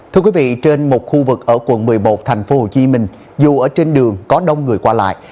thưa quý vị trên một khu vực ở quận một mươi một thành phố hồ chí minh dù ở trên đường có đông người qua lại